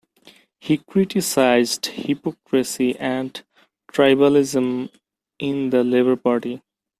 He criticised hypocrisy and tribalism in the Labour Party.